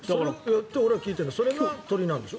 って俺は聞いてるけどそれが鳥なんでしょ？